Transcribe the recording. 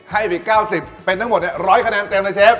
ให้ไปอีก๙๐เป็นทั้งหมด๑๐๐คะแนนเต็มเลยเชฟ